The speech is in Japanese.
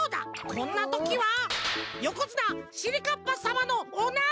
こんなときはよこづなしりかっぱさまのおなり！